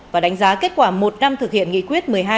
và đánh giá kết quả một năm thực hiện nghị quyết một mươi hai